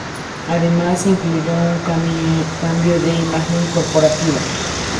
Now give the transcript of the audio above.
Además, incluyó un cambio de imagen corporativa.